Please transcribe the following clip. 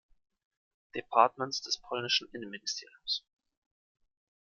Departements des polnischen Innenministeriums.